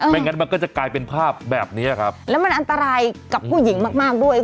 งั้นมันก็จะกลายเป็นภาพแบบเนี้ยครับแล้วมันอันตรายกับผู้หญิงมากมากด้วย